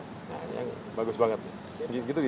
nah ini bagus banget gitu gitu ya